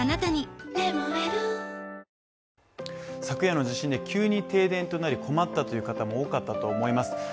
昨夜の地震で急に停電になり困ったという方も多かったと思います。